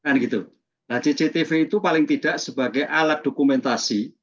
nah cctv itu paling tidak sebagai alat dokumentasi